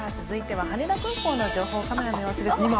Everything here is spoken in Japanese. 続いては羽田空港の情報カメラの様子です。